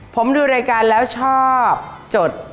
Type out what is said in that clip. ผมดูรายการแล้วชอบจด